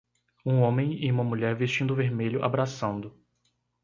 Um homem e uma mulher vestindo vermelho abraçando.